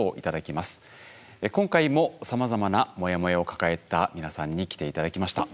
今回もさまざまなモヤモヤを抱えた皆さんに来て頂きました。